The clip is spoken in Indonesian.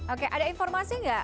oke ada informasi nggak